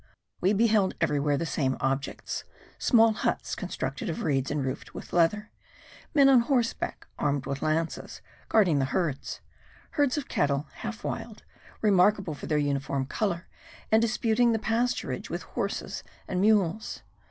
We beheld everywhere the same objects; small huts constructed of reeds, and roofed with leather; men on horseback armed with lances, guarding the herds; herds of cattle half wild, remarkable for their uniform colour, and disputing the pasturage with horses and mules.